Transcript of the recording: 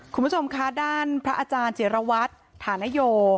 คุณผู้ชมคะด้านพระอาจารย์จิรวัตรฐานโย